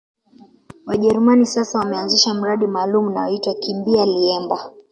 Wajerumani sasa wameanzisha mradi maalumu unaoitwa kimbia liemba